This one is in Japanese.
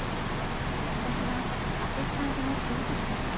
私はアシスタントの千和崎です。